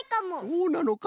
そうなのか。